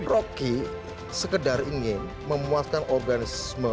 rocky sekedar ingin memuaskan organisme